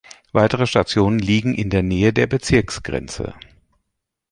Weitere Stationen liegen in der Nähe der Bezirksgrenze.